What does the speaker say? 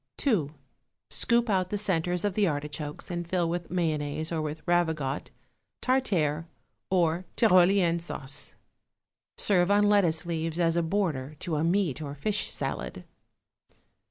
2. Scoop out the centres of the artichokes and fill with mayonnaise, or with ravigote, tartare or tyrolienne sauce. Serve on lettuce leaves as a border to a meat or fish salad.